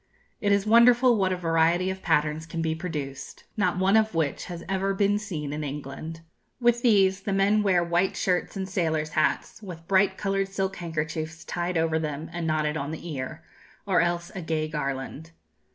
It is wonderful what a variety of patterns can be produced, not one of which has ever been seen in England. With these, the men wear white shirts and sailors' hats, with bright coloured silk handkerchiefs tied over them and knotted on the ear; or else a gay garland....